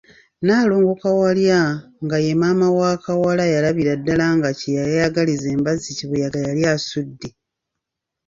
Nnaalongo Kawalya nga ye maama w'akawala yalabira ddala nga kye yagaliza embazzi kibuyaga yali asudde.